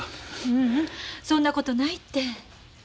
ううんそんなことないて。